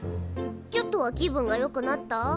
ちょっとは気分がよくなった？